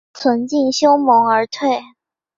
存敬修盟而退。